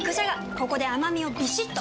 ここで甘みをビシッと！